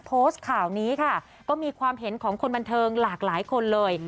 โพสต์ข่าวนี้ค่ะก็มีความเห็นของคนบันเทิงหลากหลายคนเลย